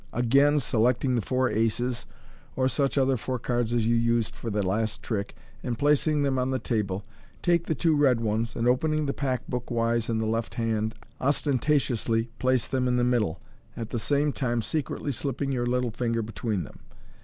Again selecting the four aces (or such other four cards as you used for the last trick), and placing them on the table, take the two red ones, and opening the pack bookwise in the left hand, ostentatiously place them in the middle, at the same time secretly slipping your little finger between them.